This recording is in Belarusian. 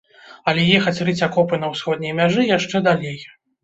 Але ехаць рыць акопы на ўсходняй мяжы яшчэ далей.